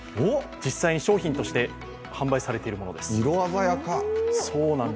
実際に商品として販売されているものです。